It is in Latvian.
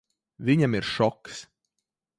Viņam ir šoks.